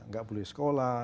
nggak boleh sekolah